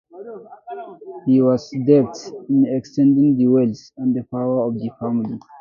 He was deft in extending the wealth and power of the family.